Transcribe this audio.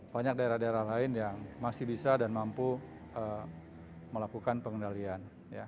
banyak daerah daerah lain yang masih bisa dan mampu melakukan pengendalian